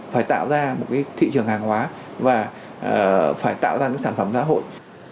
phải tạo ra một thị trường hàng hóa và phải tạo ra những sản phẩm giá hội